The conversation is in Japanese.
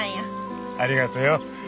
ありがとよ。